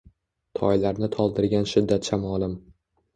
Toylarni toldirgan shiddat-shamolim